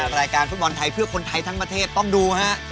รายการฟุตบอลไทยเพื่อคนไทยทั้งประเทศต้องดูฮะ